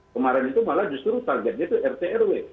kemarin itu malah justru targetnya itu rt rw